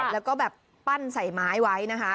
แล้วก็แบบปั้นใส่ไม้ไว้นะคะ